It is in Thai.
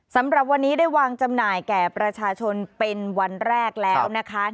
สำหรับวันนี้ได้วางจำหน่ายแก่ประชาชนเป็นวันแรกแล้วนะคะ